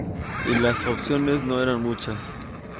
Y las opciones no eran muchas.